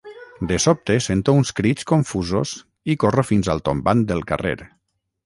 De sobte sento uns crits confusos i corro fins al tombant del carrer.